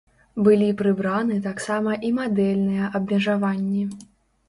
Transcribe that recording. Былі прыбраны таксама і мадэльныя абмежаванні.